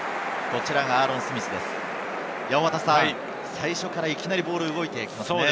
最初から、いきなりボールが動いていきますね。